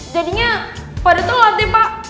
jadinya pada tuh latih pak